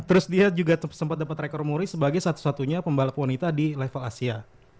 terus dia juga sempat dapat rekor muri sebagai satu satunya pembalap wanita di level asia